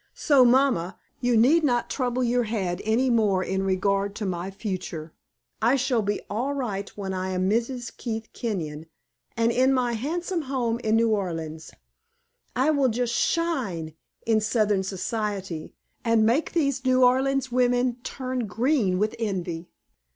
"So, mamma, you need not trouble your head any more in regard to my future; I shall be all right when I am Mrs. Keith Kenyon and in my handsome home in New Orleans. I will just shine in Southern society, and make these New Orleans women turn green with envy.